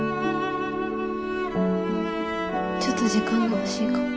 ちょっと時間が欲しいかも。